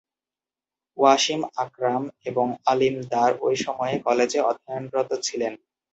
ওয়াসিম আকরাম এবং আলিম দার ঐ সময়ে কলেজে অধ্যয়নরত ছিলেন।